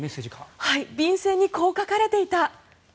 便せんにこう書かれていた。